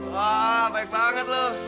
wah baik banget lo